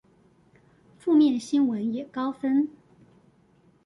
負面新聞也高分